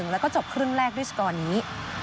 แล้วก็จบครึ่งแรกด้วยสกอร์นี้